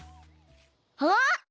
あっ！